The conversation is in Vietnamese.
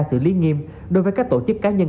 xử lý nghiêm đối với các tổ chức cá nhân